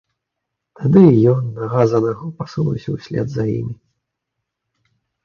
Тады й ён нага за нагу пасунуўся ўслед за імі.